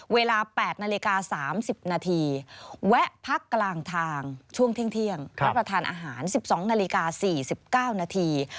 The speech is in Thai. เวลา๘นาฬิกา๓๐นาทีแวะพักกลางทางช่วงเที่ยงรับประทานอาหาร๑๒นาฬิกา๔๙นาที